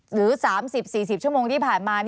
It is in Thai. หรือ๓๐๔๐ชั่วโมงที่ผ่านมา